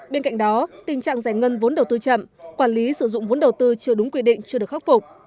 tình trạng giải ngân vốn đầu tư chậm quản lý sử dụng vốn đầu tư chưa đúng quy định chưa được khắc phục